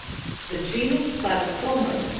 The genus Platyso'mus